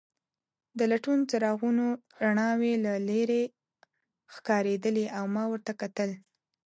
د لټون څراغونو رڼاوې له لیرې ښکارېدلې او ما ورته کتل.